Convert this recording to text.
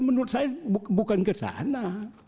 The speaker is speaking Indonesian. menurut saya bukan ke sana